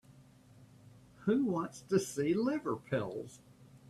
Who wants to see liver pills?